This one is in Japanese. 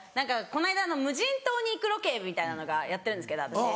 この間無人島に行くロケみたいなやってるんですけど私。